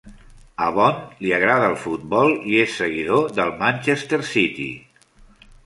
A Bond li agrada el futbol i és seguidor del Manchester City.